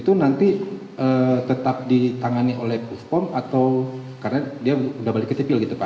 itu nanti tetap ditangani oleh pom atau karena dia udah balik ke tipil gitu pak